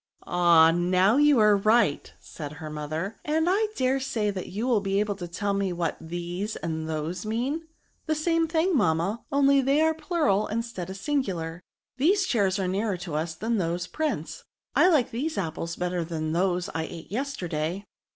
Ah! now you are right," said her mother, " and I dare say you will be able to teU me what these and th)se mean ?"'^ The same thing, mamma, only they are plural instead of singular. These chairs are DEMONSTRATIVE PRONOUNS. 191 nearer to us than those prints. I like these ap ples better that those I ate yesterday."